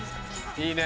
いいね。